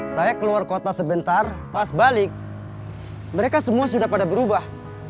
saya keluar kota sebentar pas balik mereka semua sudah pada berubah